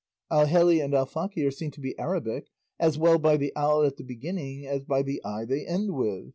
Alheli and alfaqui are seen to be Arabic, as well by the al at the beginning as by the i they end with.